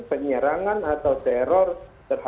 penyerangan atau teror